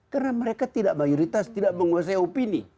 karena mereka tidak mayoritas tidak menguasai opini